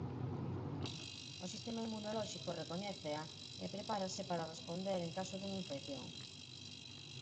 O sistema inmunolóxico recoñécea e prepárase para responder en caso dunha infección.